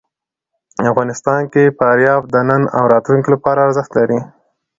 افغانستان کې فاریاب د نن او راتلونکي لپاره ارزښت لري.